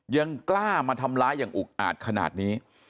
ยังกล้ามาทำร้ายอย่างอุกอาจขนาดนี้